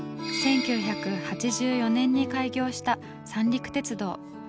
１９８４年に開業した三陸鉄道。